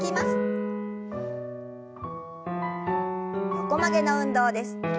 横曲げの運動です。